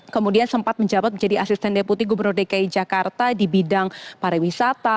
kemudian sempat menjabat menjadi asisten deputi gubernur dki jakarta di bidang pariwisata